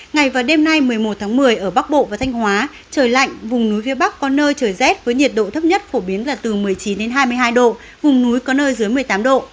ngày và đêm nay một mươi một tháng một mươi ở bắc bộ và thanh hóa trời lạnh vùng núi phía bắc có nơi trời rét với nhiệt độ thấp nhất phổ biến là từ một mươi chín hai mươi hai độ vùng núi có nơi dưới một mươi tám độ